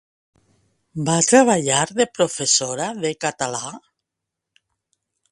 Va treballar de professora de català?